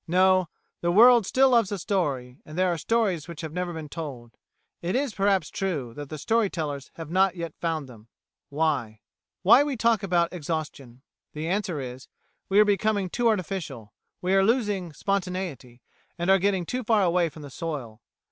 No; the world still loves a story, and there are stories which have never been told. It is, perhaps, true, that the story tellers have not found them yet. Why? Why we talk about Exhaustion The answer is: We are becoming too artificial; we are losing spontaneity, and are getting too far away from the soil.